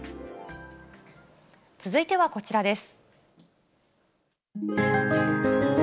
続いてはこちらです。